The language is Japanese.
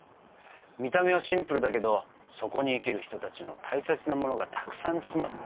見た目はシンプルだけどそこに生きる人たちの大切なものがたくさん詰まったケーキでした。